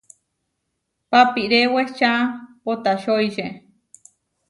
Papiré wehčá poʼtačoiče.